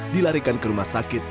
dilarikan ke rumah sakit